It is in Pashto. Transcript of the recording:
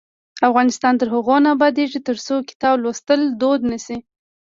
افغانستان تر هغو نه ابادیږي، ترڅو کتاب لوستل دود نشي.